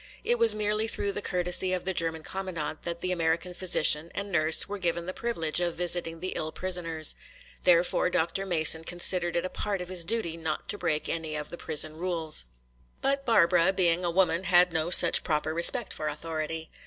It was merely through the courtesy of the German commandant that the American physician and nurse were given the privilege of visiting the ill prisoners. Therefore, Dr. Mason considered it a part of his duty not to break any of the prison rules. But Barbara, being a woman, had no such proper respect for authority.